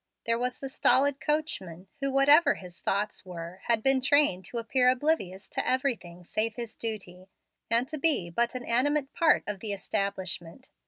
There was the stolid coachman, who, whatever were his thoughts, had been trained to appear oblivious of everything save his duty, and to be but an animate part of the "establishment."